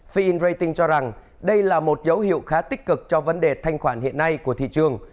fil rating cho rằng đây là một dấu hiệu khá tích cực cho vấn đề thanh khoản hiện nay của thị trường